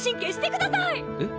えっ？